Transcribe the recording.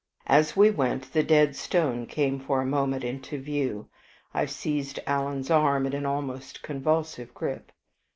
As we went, the Dead Stone came for a moment into view. I seized Alan's arm in an almost convulsive grip.